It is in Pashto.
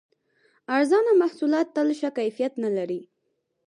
ارزانه محصولات تل ښه کیفیت نه لري.